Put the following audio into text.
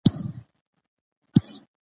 ښځه ده.